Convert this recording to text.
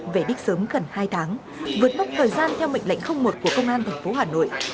về đích sớm gần hai tháng vượt mốc thời gian theo mệnh lệnh một của công an tp hà nội